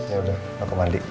ya udah mau ke mandi